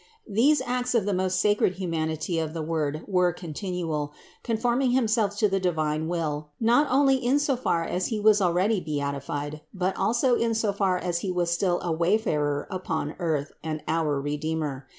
These acts of the most sacred humanity of the Word were continual, conforming Himself to the divine will not only in so far as He was already beatified, but also in so far as He was still a wayfarer upon earth and our Redeemer.